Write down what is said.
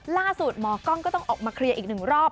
ล่าสุดหมอกล้องก็ต้องออกมาเคลียร์อีกหนึ่งรอบ